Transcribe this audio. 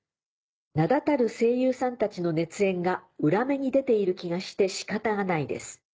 名だたる声優さんたちの熱演が裏目に出ている気がして仕方がないです。